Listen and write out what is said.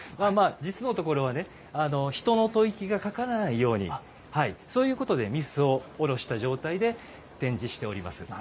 実のところは人の吐息がかからないようにということで御簾を下ろした状態で展示しております。